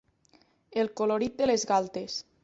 El colorit de les galtes.